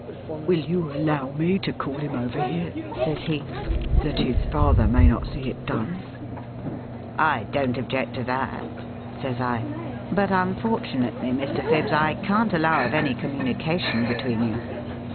' Will you allow me to call him over here,' says he, ' that his father may not see it done T ' I don't object to that,' says I ;' but unfortunately, Mr. Phibbs, I can't allow of any communication beween you.